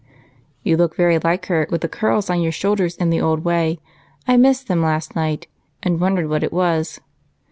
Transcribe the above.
"You look very like her, with the curls on your shoulders in the old way. I missed them last night and wondered what it was.